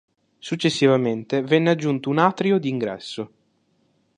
Successivamente venne aggiunto un atrio di ingresso.